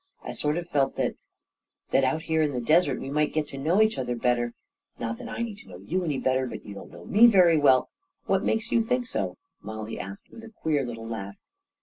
I sort of felt that — that out here in the desert, we might get to know each other better — not that I need to know you any better — but you don't know me very well ..."" What makes you think so? " Mollie asked, with a queer little laugh.